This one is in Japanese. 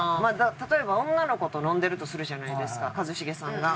例えば女の子と飲んでるとするじゃないですか一茂さんが。